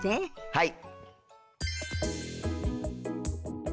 はい。